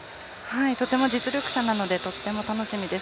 とても実力者なのでとっても楽しみです。